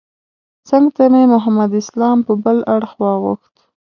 څنګ ته مې محمد اسلام په بل اړخ واوښت.